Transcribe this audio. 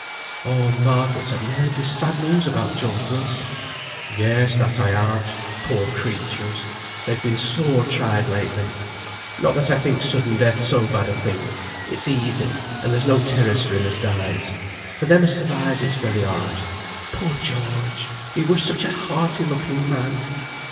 "Oh Margaret, have ye heard this sad news about George Wilson?" "Yes, that I have. Poor creatures, they've been sore tried lately. Not that I think sudden death so bad a thing; it's easy, and there's no terrors for him as dies. For them as survives it's very hard. Poor George! he were such a hearty looking man."